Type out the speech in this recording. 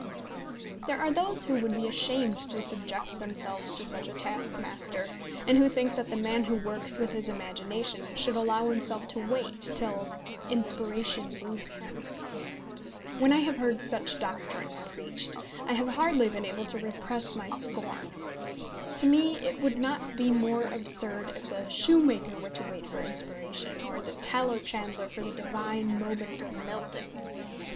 There are those who would be ashamed to subject themselves to such a taskmaster, and who think that the man who works with his imagination should allow himself to wait till inspiration moves him. When I have heard such doctrine preached, I have hardly been able to repress my scorn. To me it would not be more absurd if the shoemaker were to wait for inspiration, or the tallow chandler for the divine moment of melting.